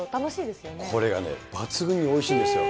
これがね、抜群においしいんですよ。